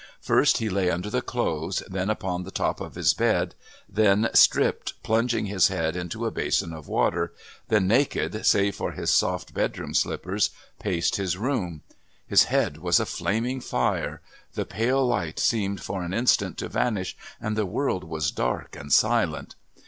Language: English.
First he lay under the clothes, then upon the top of his bed, then stripped, plunging his head into a basin of water, then naked save for his soft bedroom slippers, paced his room...His head was a flaming fire. The pale light seemed for an instant to vanish, and the world was dark and silent.